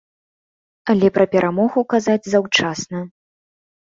Але пра перамогу казаць заўчасна.